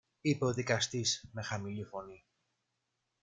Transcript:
είπε ο δικαστής με χαμηλή φωνή.